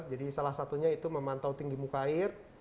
jadi salah satunya itu memantau tinggi muka air